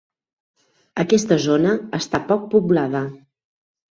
Aquesta zona està poc poblada.